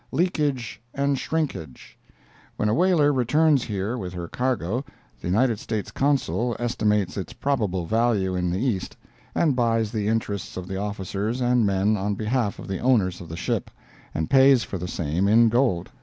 "Leakage and Shrinkage"—When a whaler returns here with her cargo, the United States Consul estimates its probable value in the East, and buys the interests of the officers and men on behalf of the owners of the ship, and pays for the same in gold.